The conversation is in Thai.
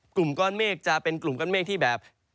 กลุ่มก้อนเมฆจะเป็นกลุ่มก้อนเมฆที่แบบ